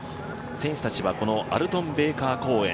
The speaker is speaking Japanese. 選手たちはこのアルトン・ベーカー公園